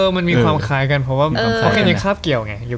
มันมีความคล้ายกันเพราะว่าเขาแค่นี้คราบเกี่ยวไง